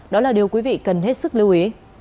đó là điều quý vị cần hết sức lưu ý